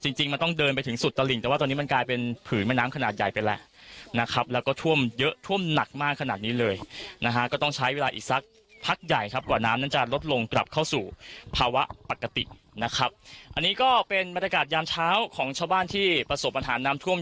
นะครับอันนี้ก็เป็นยามเช้าของชาวบ้านที่ประสมบัติภาณน้ำท่วม